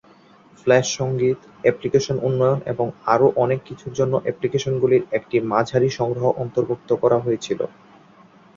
Flash সঙ্গীত, application উন্নয়ন এবং আরও অনেক কিছুর জন্য অ্যাপ্লিকেশনগুলির একটি মাঝারি সংগ্রহ অন্তর্ভুক্ত করা হয়েছিল।